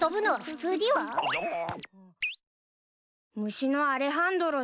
虫のアレハンドロさん